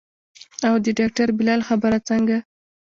او د ډاکتر بلال خبره څنګه.